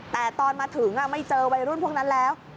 แต่ตอนมาถึงไม่เจอวัยรุ่นพวกนั้นแล้ว